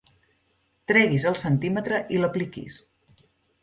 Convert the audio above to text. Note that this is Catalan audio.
Treguis el centímetre i l'apliquis.